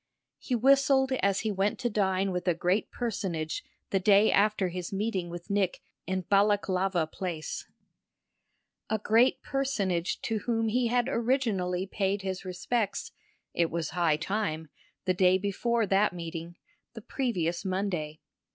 He whistled as he went to dine with a great personage the day after his meeting with Nick in Balaklava Place; a great personage to whom he had originally paid his respects it was high time the day before that meeting, the previous Monday.